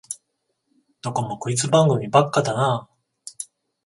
どこもクイズ番組ばっかだなあ